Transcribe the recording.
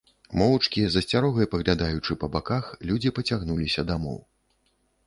Моўчкі, з асцярогай паглядаючы па баках, людзі пацягнуліся дамоў.